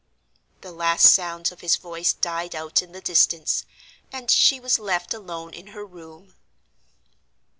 The last sounds of his voice died out in the distance; and she was left alone in her room.